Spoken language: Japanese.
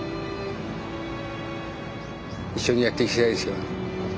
一緒にやっていきたいですよ。